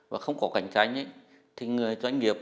và không có cạnh tranh thì người doanh nghiệp